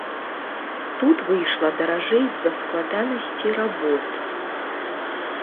Тут выйшла даражэй з-за складанасці работ.